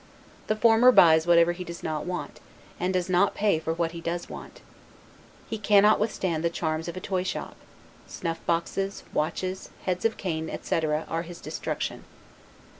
The former buys whatever he does not want, and does not pay for what he does want. He cannot withstand the charms of a toyshop; snuff boxes, watches, heads of canes, etc., are his destruction.